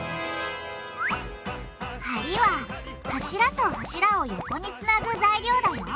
「梁」は柱と柱を横につなぐ材料だよ。